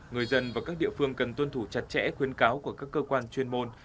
người dân và các địa phương cần tuân thủ chặt chẽ khuyên cáo của các cơ quan chuyên môn